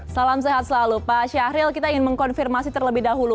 salam sehat selalu pak syahril kita ingin mengkonfirmasi terlebih dahulu